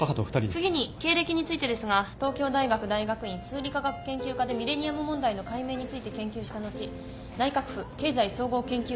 次に経歴についてですが東京大学大学院数理科学研究科でミレニアム問題の解明について研究した後内閣府経済総合研究所に入所。